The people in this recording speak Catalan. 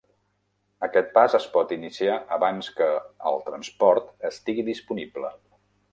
Aquest pas es pot iniciar abans que el transport estigui disponible.